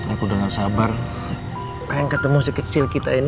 aku dengan sabar pengen ketemu si kecil kita ini